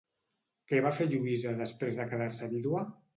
Què va fer Lluïsa després de quedar-se vídua?